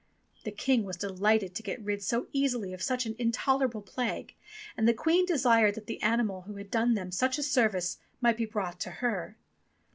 The King was delighted to get rid so easily of such an in tolerable plague, and the Queen desired that the animal who had done them such a service might be brought to her.